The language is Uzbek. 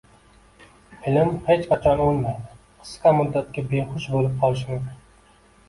Ilm hech qachon oʻlmaydi, qisqa muddatga behush boʻlib qolishi mumkin.